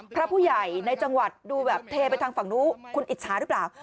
พระผู้ใหญ่ในจังหวัดดูแบบเทไปทางฝั่งนู้นคุณอิจฉาหรือเปล่า